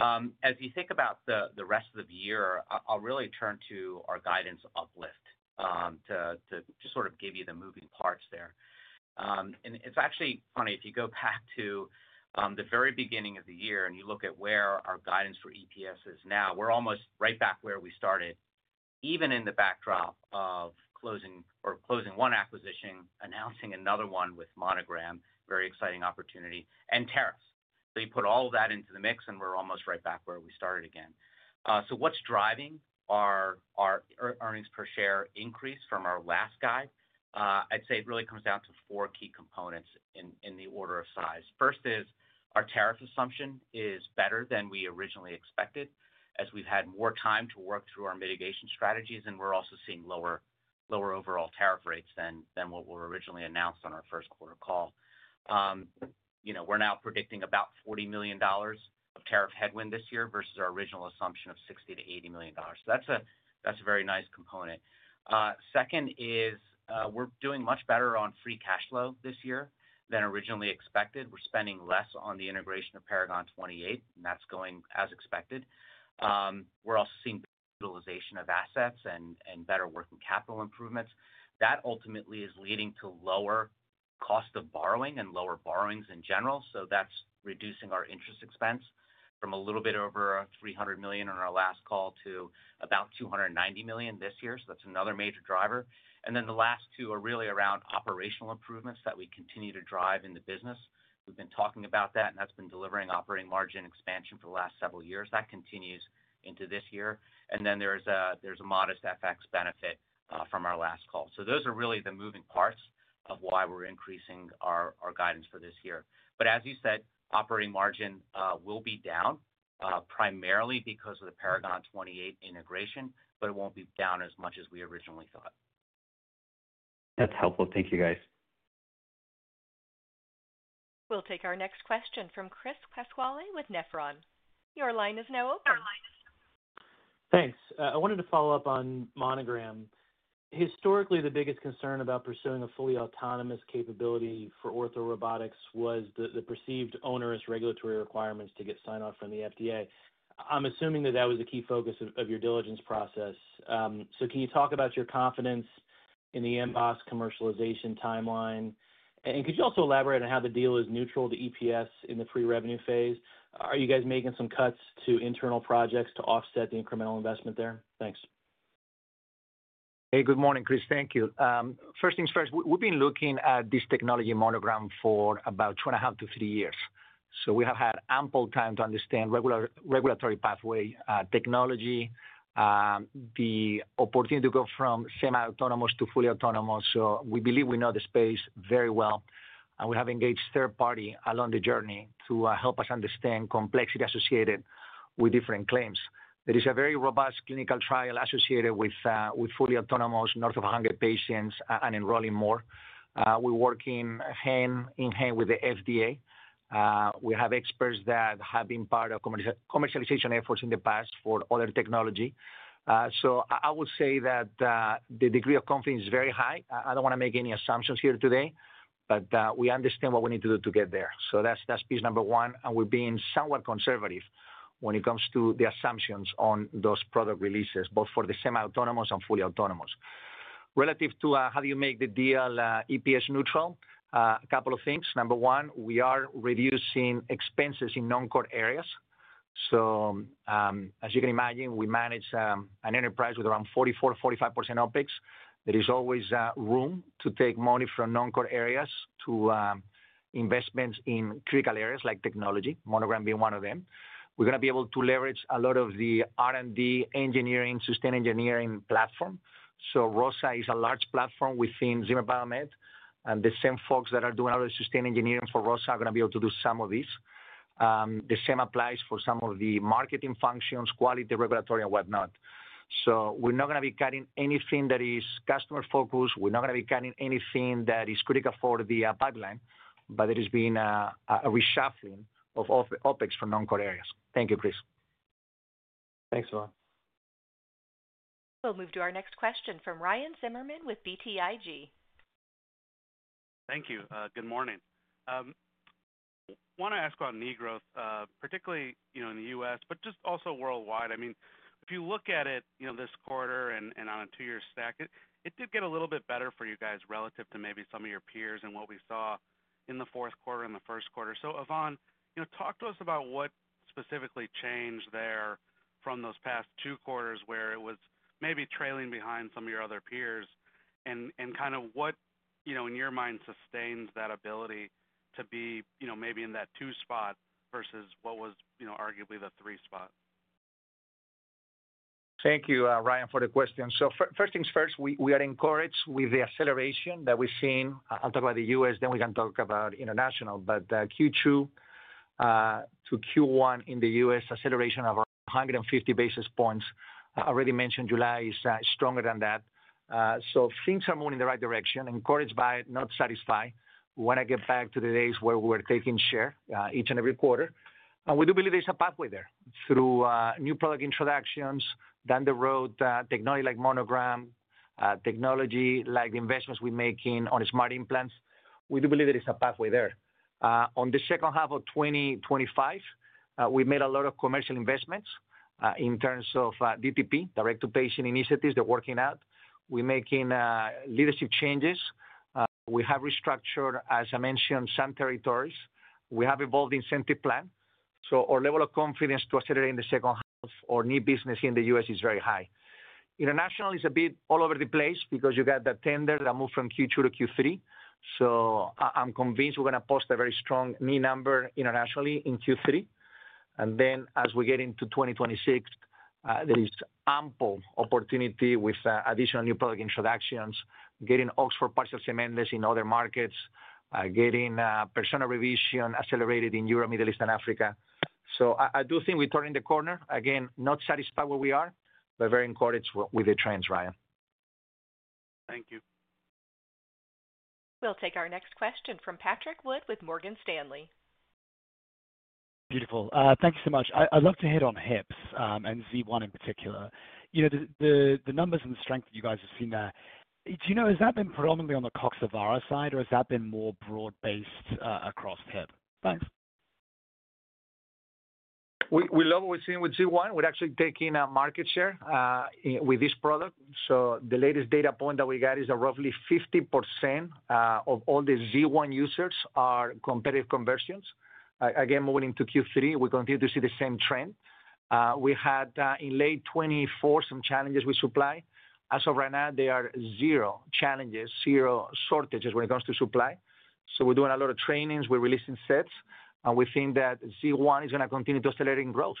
As you think about the rest of the year, I'll really turn to our guidance uplift to sort of give you the moving parts there. It's actually funny. If you go back to the very beginning of the year and you look at where our guidance for EPS is now, we're almost right back where we started, even in the backdrop of closing one acquisition, announcing another one with Monogram, very exciting opportunity, and tariffs. You put all of that into the mix and we're almost right back where we started again. What's driving our earnings per share increase from our last guide? I'd say it really comes down to four key components in the order of size. First is our tariff assumption is better than we originally expected, as we've had more time to work through our mitigation strategies and we're also seeing lower overall tariff rates than what were originally announced on our first quarter call. We're now predicting about $40 million of tariff headwind this year versus our original assumption of $60 million-$80 million. That's a very nice component. Second is we're doing much better on free cash flow this year than originally expected. We're spending less on the integration of Paragon 28 and that's going as expected. We're also seeing utilization of assets and better working capital improvements. That ultimately is leading to lower cost of borrowing and lower borrowings in general. That's reducing our interest expense from a little bit over $300 million on our last call to about $290 million this year. That's another major driver. The last two are really around operational improvements that we continue to drive in the business. We've been talking about that, and that's been delivering operating margin expansion for the last several years. That continues into this year, and there's a modest FX benefit from our last call. Those are really the moving parts of why we're increasing our guidance for this year. Operating margin will be down primarily because of the Paragon 28 integration, but it won't be down as much as we originally thought. That's helpful. Thank you, guys. We'll take our next question from Chris Quasquale with Nephron. Your line is now open. Thanks. I wanted to follow up on Monogram. Historically, the biggest concern about pursuing a fully autonomous capability for ortho robotics was the perceived onerous regulatory requirements to get sign-off from the FDA. I'm assuming that was a key focus of your diligence process. Can you talk about your confidence in the M-BOSS commercialization timeline? Could you also elaborate on how the deal is neutral to EPS in the free revenue phase? Are you guys making some cuts to internal projects to offset the incremental investment there? Thanks. Hey, good morning, Chris. Thank you. First things first, we've been looking at this technology, Monogram, for about two and a half to three years. We have had ample time to understand regulatory pathway technology, the opportunity to go from semi-autonomous to fully autonomous. We believe we know the space very well. We have engaged third parties along the journey to help us understand complexity associated with different claims. There is a very robust clinical trial associated with fully autonomous, north of 100 patients and enrolling more. We're working hand in hand with the FDA. We have experts that have been part of commercialization efforts in the past for other technology. I would say that the degree of confidence is very high. I don't want to make any assumptions here today, but we understand what we need to do to get there. That's piece number one. We've been somewhat conservative when it comes to the assumptions on those product releases, both for the semi-autonomous and fully autonomous. Relative to how do you make the deal EPS neutral, a couple of things. Number one, we are reducing expenses in non-core areas. As you can imagine, we manage an enterprise with around 44%-45% OpEx. There is always room to take money from non-core areas to investments in critical areas like technology, Monogram being one of them. We're going to be able to leverage a lot of the R&D engineering, sustained engineering platform. ROSA is a large platform within Zimmer Biomet. The same folks that are doing a lot of sustained engineering for ROSA are going to be able to do some of this. The same applies for some of the marketing functions, quality regulatory, and whatnot. We're not going to be cutting anything that is customer focused. We're not going to be cutting anything that is critical for the pipeline, but there has been a reshuffling of OpEx for non-core areas. Thank you, Chris. Thanks a lot. We'll move to our next question from Ryan Zimmerman with BTIG. Thank you. Good morning. I want to ask about knee growth, particularly in the U.S., but also worldwide. If you look at it this quarter and on a two-year stack, it did get a little bit better for you guys relative to maybe some of your peers and what we saw in the fourth quarter and the first quarter. Ivan, talk to us about what specifically changed there from those past two quarters where it was maybe trailing behind some of your other peers and what in your mind sustains that ability to be maybe in that two spot versus what was arguably the three spot. Thank you, Ryan, for the question. First things first, we are encouraged with the acceleration that we've seen. I'll talk about the U.S., then we can talk about international. Q2 to Q1 in the U.S., acceleration of 150 basis points. I already mentioned July is stronger than that. Things are moving in the right direction, encouraged but not satisfied. I want to get back to the days where we were taking share each and every quarter. We do believe there's a pathway there through new product introductions, down the road, technology like Monogram, technology like the investments we're making on smart implants. We do believe there is a pathway there. In the second half of 2025, we made a lot of commercial investments in terms of DTP, direct-to-patient initiatives that are working out. We're making leadership changes. We have restructured, as I mentioned, some territories. We have evolved the incentive plan. Our level of confidence to accelerate in the second half of our knee business in the U.S. is very high. International is a bit all over the place because you got that tender that moved from Q2 to Q3. I'm convinced we're going to post a very strong knee number internationally in Q3. As we get into 2026, there is ample opportunity with additional new product introductions, getting Oxford partial cemented in other markets, getting persona revision accelerated in Europe, Middle East, and Africa. I do think we're turning the corner. Again, not satisfied where we are, but very encouraged with the trends, Ryan. Thank you. We'll take our next question from Patrick Wood with Morgan Stanley. Beautiful. Thank you so much. I'd love to hit on hips and Z1 in particular. You know the numbers and the strength that you guys have seen there, do you know has that been predominantly on the Coxavara side or has that been more broad-based across hip? Thanks. We love what we're seeing with Z1. We're actually taking market share with this product. The latest data point that we got is that roughly 50% of all the Z1 users are competitive conversions. Again, moving into Q3, we continue to see the same trend. We had in late 2024 some challenges with supply. As of right now, there are zero challenges, zero shortages when it comes to supply. We're doing a lot of trainings, we're releasing sets, and we think that Z1 is going to continue to accelerate in growth.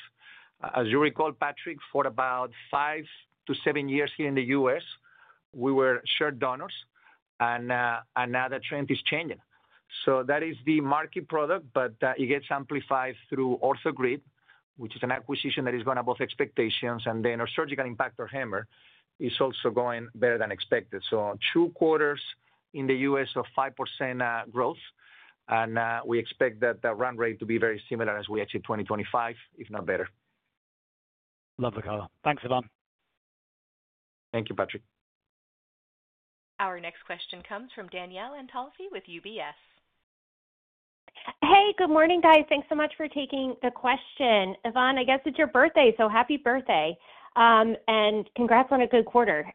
As you recall, Patrick, for about five to seven years here in the U.S., we were share donors, and now the trend is changing. That is the market product, but it gets amplified through OrthoGrid, which is an acquisition that is going above expectations, and then our surgical impact, our HAMR, is also going better than expected. Two quarters in the U.S. of 5% growth, and we expect that the run rate to be very similar as we achieve 2025, if not better. Love the color. Thanks, Ivan. Thank you, Patrick. Our next question comes from Danielle Antalffy with UBS. Hey, good morning guys. Thanks so much for taking the question. Ivan, I guess it's your birthday, so happy birthday, and congrats on a good quarter.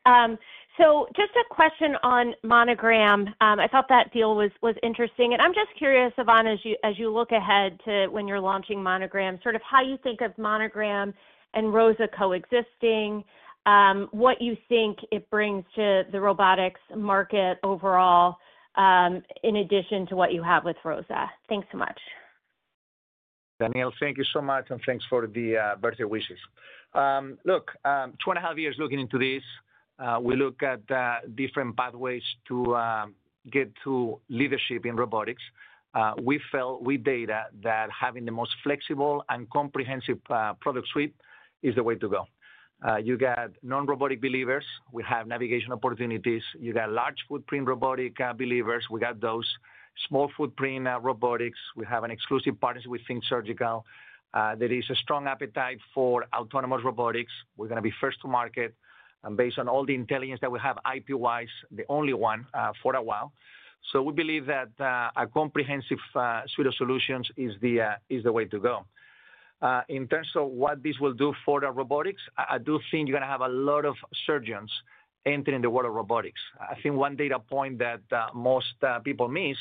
Just a question on Monogram. I thought that deal was interesting, and I'm just curious, Ivan, as you look ahead to when you're launching Monogram, sort of how you think of Monogram and ROSA coexisting, what you think it brings to the robotics market overall in addition to what you have with ROSA. Thanks so much. Danielle, thank you so much, and thanks for the birthday wishes. Look, two and a half years looking into this, we looked at different pathways to get to leadership in robotics. We felt with data that having the most flexible and comprehensive product suite is the way to go. You got non-robotic believers. We have navigation opportunities. You got large footprint robotic believers. We got those small footprint robotics. We have an exclusive partnership with Think Surgical. There is a strong appetite for autonomous robotics. We're going to be first to market, and based on all the intelligence that we have IP-wise, the only one for a while. We believe that a comprehensive suite of solutions is the way to go. In terms of what this will do for robotics, I do think you're going to have a lot of surgeons entering the world of robotics. I think one data point that most people miss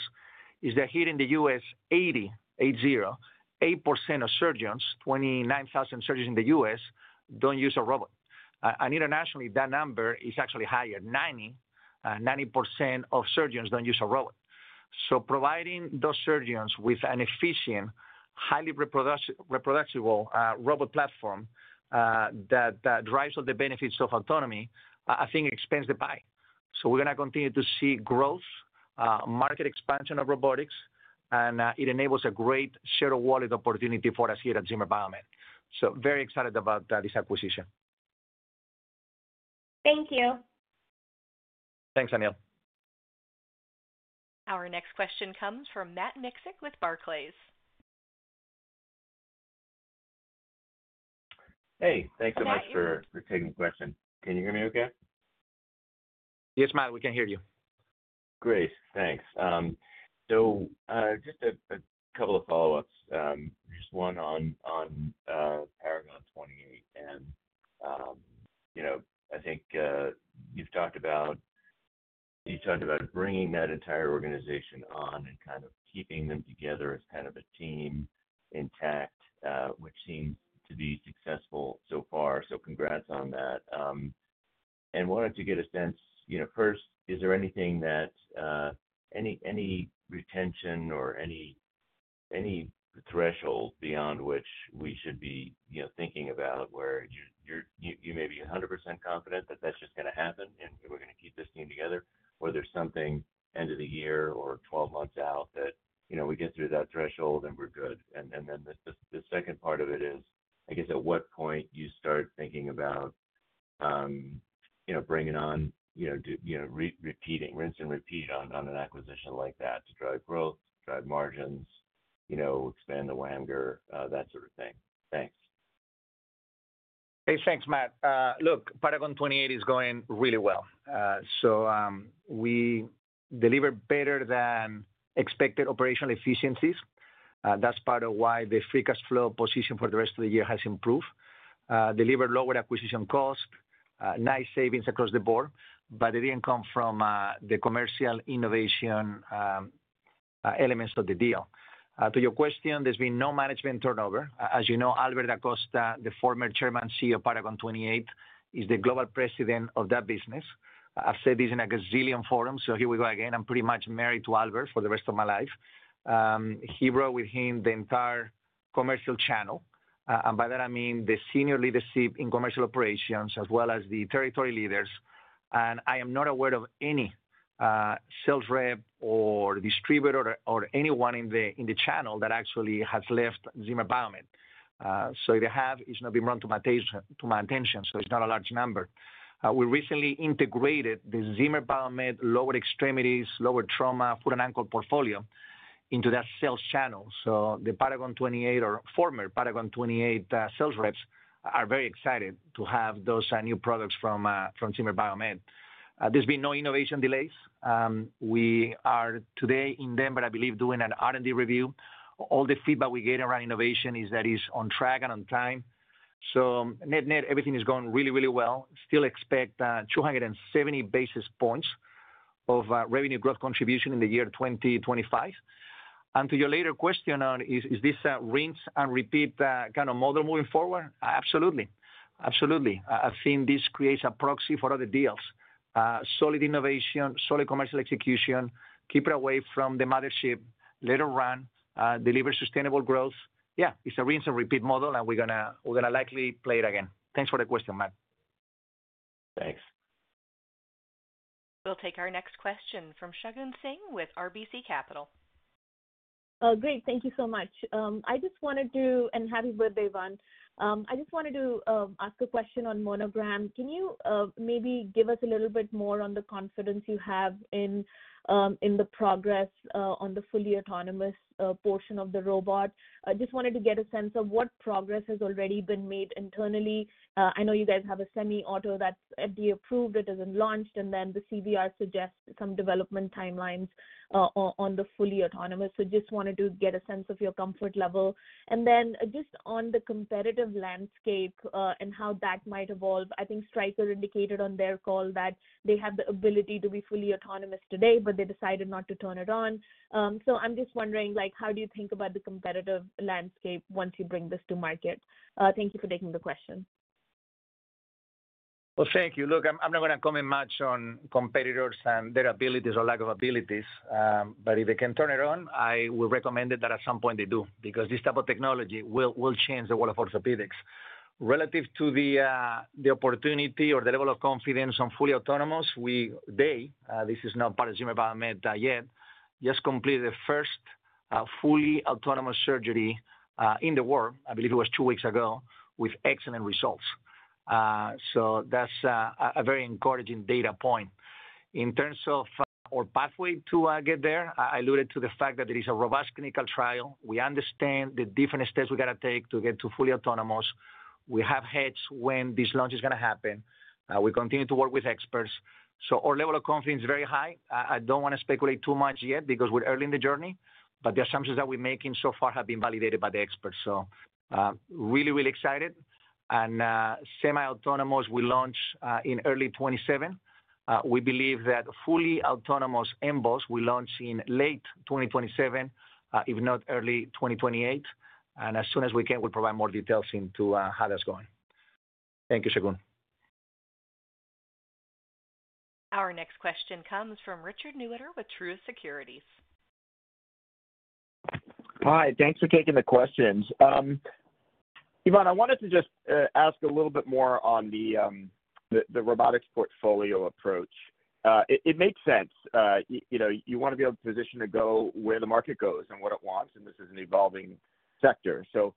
is that here in the U.S., 80%, eight zero, 8% of surgeons, 29,000 surgeons in the U.S. don't use a robot. Internationally, that number is actually higher, 90%, 90% of surgeons don't use a robot. Providing those surgeons with an efficient, highly reproducible robot platform that drives up the benefits of autonomy, I think expands the pie. We're going to continue to see growth, market expansion of robotics, and it enables a great share of wallet opportunity for us here at Zimmer Biomet. Very excited about this acquisition. Thank you. Thanks, Danielle. Our next question comes from Matt Miksic with Barclays. Hey, thanks so much for taking the question. Can you hear me okay? Yes, Matt, we can hear you. Great, thanks. Just a couple of follow-ups. One on Paragon 28. I think you've talked about bringing that entire organization on and kind of keeping them together as a team intact, which seems to be successful so far. Congrats on that. I wanted to get a sense, first, is there anything, any retention or any threshold beyond which we should be thinking about where you may be 100% confident that that's just going to happen and we're going to keep this team together, or there's something end of the year or 12 months out that we get through that threshold and we're good. The second part of it is, at what point do you start thinking about bringing on, repeating, rinse and repeat on an acquisition like that to drive growth, drive margins, expand the WEMGUT, that sort of thing? Thanks. Hey, thanks, Matt. Look, Paragon 28 is going really well. We delivered better than expected operational efficiencies. That's part of why the free cash flow position for the rest of the year has improved. Delivered lower acquisition costs, nice savings across the board, but they didn't come from the commercial innovation elements of the deal. To your question, there's been no management turnover. As you know, Albert DaCosta, the former Chairman and CEO of Paragon 28, is the Global President of that business. I've said this in a gazillion forums, so here we go again. I'm pretty much married to Albert for the rest of my life. He brought with him the entire commercial channel, and by that I mean the senior leadership in commercial operations, as well as the territory leaders. I am not aware of any sales rep or distributor or anyone in the channel that actually has left Zimmer Biomet. If they have, it's not been brought to my attention, so it's not a large number. We recently integrated the Zimmer Biomet lower extremities, lower trauma, foot and ankle portfolio into that sales channel. The Paragon 28 or former Paragon 28 sales reps are very excited to have those new products from Zimmer Biomet. There's been no innovation delays. We are today in Denver, I believe, doing an R&D review. All the feedback we get around innovation is that it's on track and on time. Net-net, everything is going really, really well. Still expect 270 basis points of revenue growth contribution in the year 2025. To your later question, is this a rinse and repeat kind of model moving forward? Absolutely. Absolutely. I've seen this create a proxy for other deals. Solid innovation, solid commercial execution, keep it away from the mothership, later run, deliver sustainable growth. Yeah, it's a rinse and repeat model, and we're going to likely play it again. Thanks for the question, Matt. Thanks. We'll take our next question from Shagun Singh with RBC Capital. Great, thank you so much. Happy birthday, Ivan. I just wanted to ask a question on Monogram. Can you maybe give us a little bit more on the confidence you have in the progress on the fully autonomous portion of the robot? I just wanted to get a sense of what progress has already been made internally. I know you guys have a semi-auto that's FDA approved, it hasn't launched, and then the CVR suggests some development timelines on the fully autonomous. I just wanted to get a sense of your comfort level. Just on the competitive landscape and how that might evolve, I think Stryker indicated on their call that they have the ability to be fully autonomous today, but they decided not to turn it on. I'm just wondering, how do you think about the competitive landscape once you bring this to market? Thank you for taking the question. Thank you. I'm not going to comment much on competitors and their abilities or lack of abilities, but if they can turn it on, I will recommend that at some point they do because this type of technology will change the world of orthopedics. Relative to the opportunity or the level of confidence on fully autonomous, we, they, this is not part of Zimmer Biomet yet, just completed the first fully autonomous surgery in the world. I believe it was two weeks ago with excellent results. That's a very encouraging data point. In terms of our pathway to get there, I alluded to the fact that there is a robust clinical trial. We understand the different steps we got to take to get to fully autonomous. We have hedged when this launch is going to happen. We continue to work with experts. Our level of confidence is very high. I don't want to speculate too much yet because we're early in the journey, but the assumptions that we're making so far have been validated by the experts. Really, really excited. Semi-autonomous, we launch in early 2027. We believe that fully autonomous M-BOSS, we launch in late 2027, if not early 2028. As soon as we can, we'll provide more details into how that's going. Thank you, Shagun. Our next question comes from Richard Newitter with Truist Securities. Hi, thanks for taking the questions. Ivan, I wanted to just ask a little bit more on the robotics portfolio approach. It makes sense. You want to be able to position to go where the market goes and what it wants, and this is an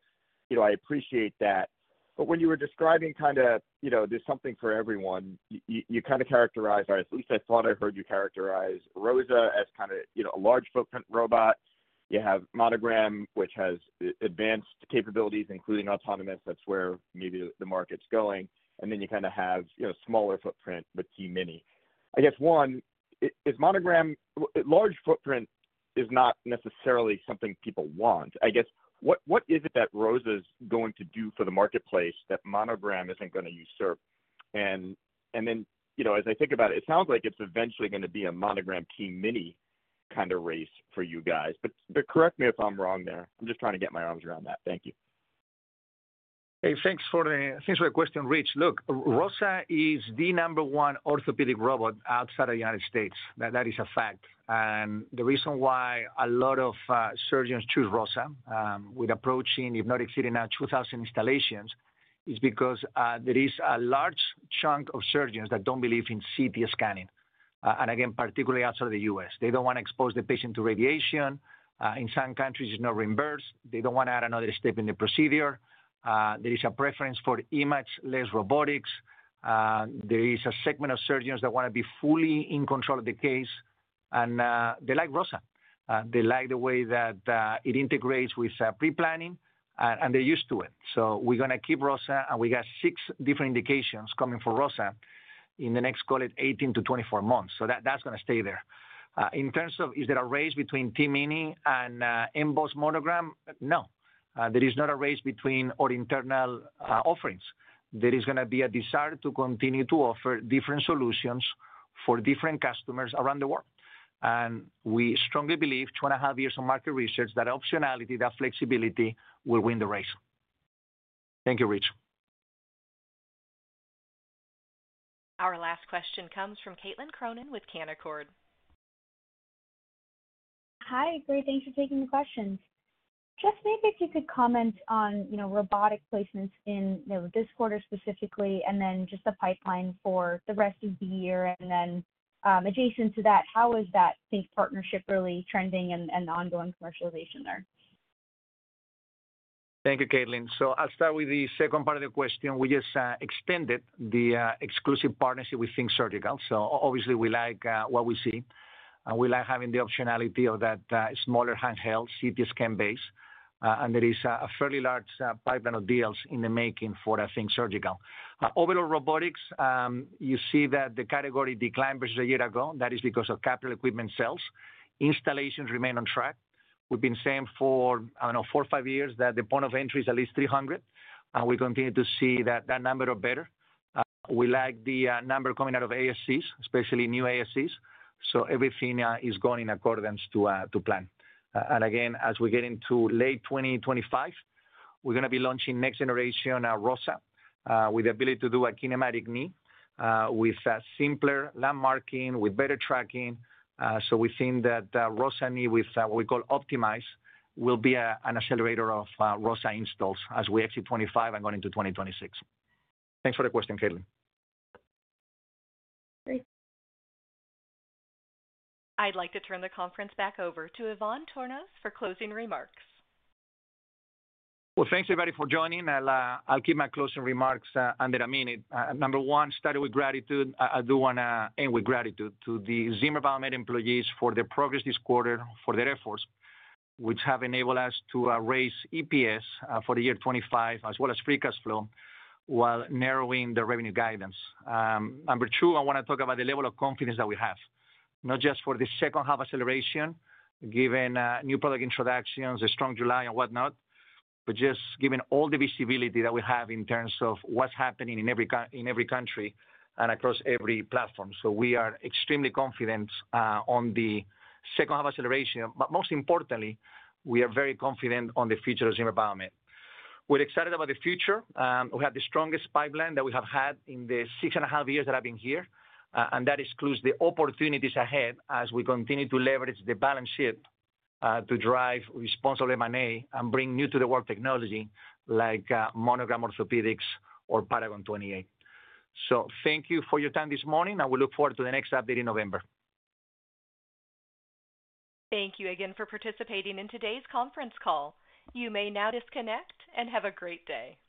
evolving sector. I appreciate that. When you were describing kind of, you know, there's something for everyone, you kind of characterized, or at least I thought I heard you characterize ROSA as kind of a large footprint robot. You have Monogram, which has advanced capabilities, including autonomous. That's where maybe the market's going. You kind of have a smaller footprint with Key Mini. I guess one, is Monogram, large footprint is not necessarily something people want. I guess what is it that ROSA is going to do for the marketplace that Monogram isn't going to usurp? As I think about it, it sounds like it's eventually going to be a Monogram Key Mini kind of race for you guys. Correct me if I'm wrong there. I'm just trying to get my arms around that. Thank you. Hey, thanks for the question, Rich. Look, ROSA is the number one orthopedic robot outside of the U.S. That is a fact. The reason why a lot of surgeons choose ROSA, with approaching, if not exceeding now, 2,000 installations, is because there is a large chunk of surgeons that don't believe in CT scanning, particularly outside of the U.S. They don't want to expose the patient to radiation. In some countries, it's not reimbursed. They don't want to add another step in the procedure. There is a preference for image-less robotics. There is a segment of surgeons that want to be fully in control of the case, and they like ROSA. They like the way that it integrates with pre-planning, and they're used to it. We're going to keep ROSA, and we got six different indications coming for ROSA in the next, call it, 18 months to 24 months. That's going to stay there. In terms of, is there a race between Team Mini and M-BOSS Monogram? No. There is not a race between our internal offerings. There is going to be a desire to continue to offer different solutions for different customers around the world. We strongly believe, two and a half years of market research, that optionality, that flexibility will win the race. Thank you, Rich. Our last question comes from Caitlin Cronin with Canaccord. Hi, great, thanks for taking the question. Maybe if you could comment on robotic placements in this quarter specifically, and then just the pipeline for the rest of the year. Adjacent to that, how is that Think Surgical partnership really trending and ongoing commercialization there? Thank you, Caitlin. I'll start with the second part of the question, which is extended the exclusive partnership with Think Surgical. Obviously, we like what we see. We like having the optionality of that smaller handheld CT scan base. There is a fairly large pipeline of deals in the making for Think Surgical. Overall robotics, you see that the category declined versus a year ago. That is because of capital equipment sales. Installations remain on track. We've been saying for, I don't know, four or five years that the point of entry is at least 300. We continue to see that that number is better. We like the number coming out of ASCs, especially new ASCs. Everything is going in accordance to plan. As we get into late 2025, we're going to be launching next generation ROSA with the ability to do a kinematic knee with simpler landmarking, with better tracking. We think that ROSA knee with what we call optimize will be an accelerator of ROSA installs as we exit 2025 and go into 2026. Thanks for the question, Caitlin. Great. I'd like to turn the conference back over to Ivan Tornos for closing remarks. Well thank you everybody for joining. I'll keep my closing remarks under a minute. Number one, starting with gratitude, I do want to end with gratitude to the Zimmer Biomet employees for their progress this quarter, for their efforts, which have enabled us to raise EPS for the year 2025, as well as free cash flow, while narrowing the revenue guidance. Number two, I want to talk about the level of confidence that we have, not just for the second half acceleration, given new product introductions, a strong July and whatnot, but just given all the visibility that we have in terms of what's happening in every country and across every platform. We are extremely confident on the second half acceleration, but most importantly, we are very confident on the future of Zimmer Biomet. We're excited about the future. We have the strongest pipeline that we have had in the six and a half years that I've been here. That excludes the opportunities ahead as we continue to leverage the balance sheet to drive responsible M&A and bring new to the world technology like Monogram Technologies or Paragon 28. Thank you for your time this morning. I will look forward to the next update in November. Thank you again for participating in today's conference call. You may now disconnect and have a great day.